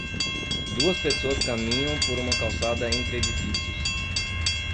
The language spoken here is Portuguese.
Duas pessoas caminham por uma calçada entre edifícios.